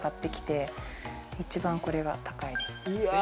一番これが高いです。